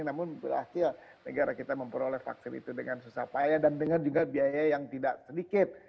namun berakhir negara kita memperoleh vaksin itu dengan susah payah dan dengan juga biaya yang tidak sedikit